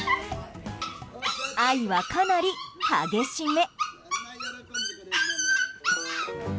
愛はかなり激しめ！